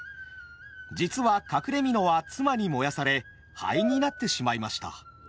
実は隠れ蓑は妻に燃やされ灰になってしまいました。